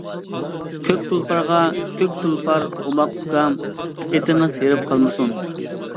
كۆك تۇلپارغا: كۆك تۇلپار ئوماق ئۇكام، ئېتىڭىز ھېرىپ قالمىسۇن.